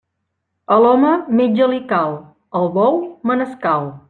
A l'home, metge li cal; al bou, manescal.